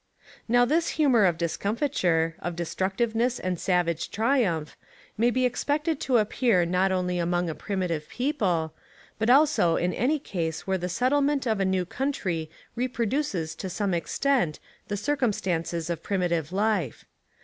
Now this humour of discomfiture, of destruc tiveness and savage triumph may be expected to appear not only among a primitive people, but also in any case where the settlement of a new country reproduces to some extent the circumstances of primitive life.